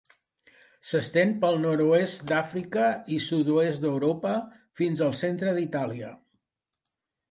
S'estén pel nord-oest d'Àfrica i sud-oest d'Europa fins al centre d'Itàlia.